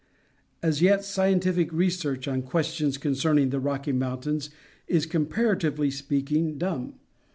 As yet scientific research, on questions concerning the Rocky Mountains, is comparatively speaking, dumb.